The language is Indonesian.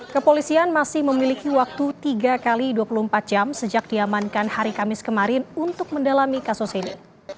kepolisian masih memiliki waktu tiga x dua puluh empat jam sejak diamankan hari kamis kemarin untuk mendalami kasus ini